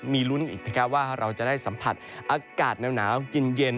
มีลุ้นอีกนะครับว่าเราจะได้สัมผัสอากาศหนาวเย็น